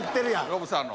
ノブさんの。